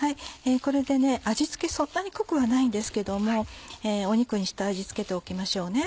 これで味付けそんなに濃くはないんですけども肉に下味付けておきましょうね。